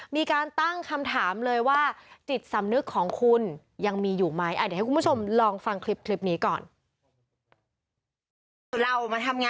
มีการตั้งคำถามเลยว่าจิตสำนึกของคุณยังมีอยู่ไหม